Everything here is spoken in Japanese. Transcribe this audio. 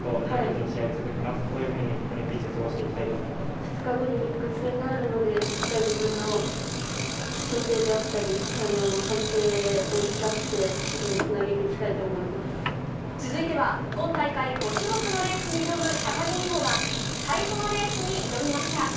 どういうふうにオリンピック、２日後にミックス戦があるので、しっかり自分の調整であったり、反省を生かして、次につなげ続いては、今大会５種目のレースに挑む高木美帆が、最初のレースに挑みました。